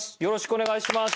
お願いします。